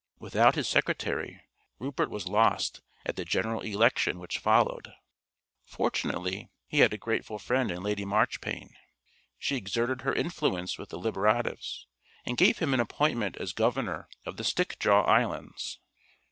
Without his secretary Rupert was lost at the General Election which followed. Fortunately he had a grateful friend in Lady Marchpane. She exerted her influence with the Liberatives, and got him an appointment as Governor of the Stickjaw Islands.